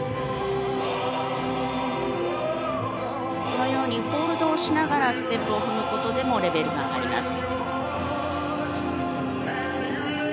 このようにホールドをしながらステップを踏むことでもレベルが上がります。